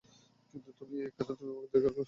কিন্তু এখানে তুমি আমার দয়া ভিক্ষা করেছ।